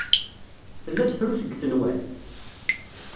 Tella tefrut deg tenwalt?